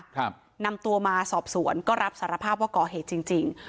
ครับนำตัวมาสอบสวนก็รับสารภาพว่าก่อเหตุจริงจริง